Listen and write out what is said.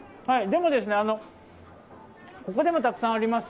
でも、ここにもたくさんあります